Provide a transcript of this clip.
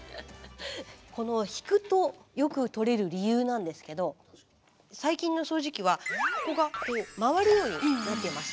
この引くとよく取れる理由なんですけど最近の掃除機はここが回るようになっています。